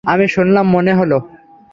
আমি শুনলাম মনে হলো।